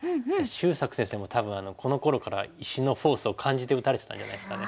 秀策先生も多分このころから石のフォースを感じて打たれてたんじゃないですかね。